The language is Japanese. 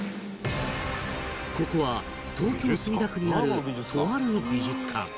ここは東京墨田区にあるとある美術館